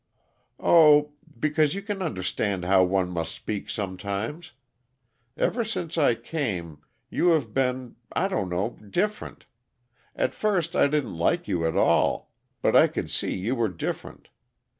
"Oh because you can understand how one must speak sometimes. Ever since I came, you have been I don't know different. At first I didn't like you at all; but I could see you were different.